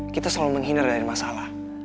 kita selalu menghindar dari masalah